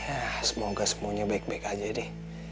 ya semoga semuanya baik baik aja deh